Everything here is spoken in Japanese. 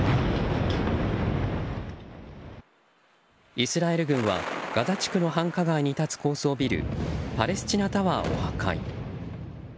イスラエル軍は、ガザ地区の繁華街に立つ高層ビルパレスチナ・タワーを破壊。